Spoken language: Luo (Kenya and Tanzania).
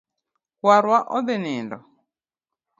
Kwar wa odhi nindo